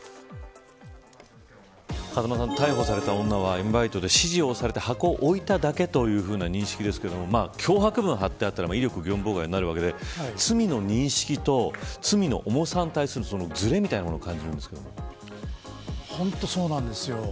風間さん、逮捕された女は指示をされて箱を置いただけという認識ですが脅迫文が貼ってあったら威力業務妨害なわけで罪の認識と罪の重さに対するずれみたいなものを本当にそうなんですよ。